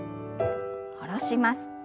下ろします。